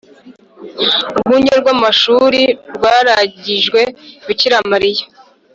urwunge rw’amashuri rwaragijwe bikira mariya